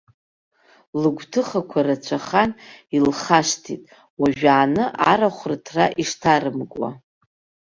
Лыгәҭыхақәа рацәахан, илхашҭит, уажәааны, арахә рыҭра ишҭарымкуа.